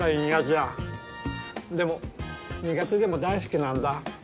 でも苦手でも大好きなんだ。